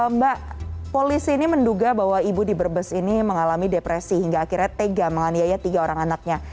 mbak polisi ini menduga bahwa ibu di brebes ini mengalami depresi hingga akhirnya tega menganiaya tiga orang anaknya